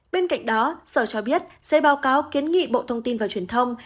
bên cạnh đó sở cho biết sẽ báo cáo kiến nghị bộ thông tin và truyền thông